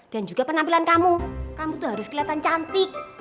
dan juga penampilan kamu kamu tuh harus keliatan cantik